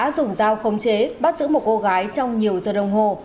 còn giao không chế bắt giữ một cô gái trong nhiều giờ đồng hồ